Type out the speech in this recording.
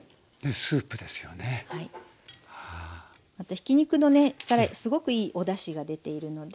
ひき肉からすごくいいおだしが出ているので。